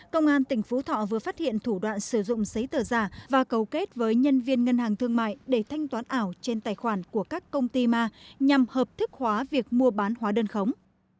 công an tỉnh phú thọ vừa phát hiện thủ đoạn sử dụng giấy tờ giả và cầu kết với nhân viên ngân hàng thương mại để thanh toán ảo trên tài khoản của các công ty ma nhằm hợp thức hóa việc mua bán hóa đơn khống